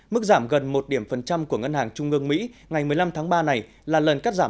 mức giảm gần một điểm phần trăm của ngân hàng trung ương mỹ ngày một mươi năm tháng ba này là lần cắt giảm